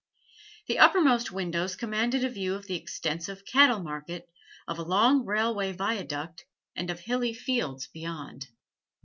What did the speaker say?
The uppermost windows commanded a view of the extensive cattle market, of a long railway viaduct, and of hilly fields beyond.